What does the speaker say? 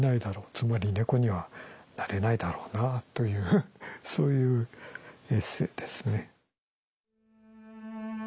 つまり猫にはなれないだろうなというそういうエッセイですね。